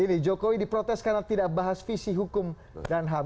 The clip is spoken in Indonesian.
ini jokowi diprotes karena tidak bahas visi hukum dan ham